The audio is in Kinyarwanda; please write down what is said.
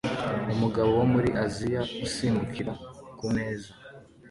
Umugabo wo muri Aziya usimbukira kumeza